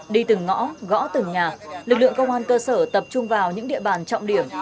đi từng ngõ gõ từng nhà lực lượng công an cơ sở tập trung vào những địa bàn trọng điểm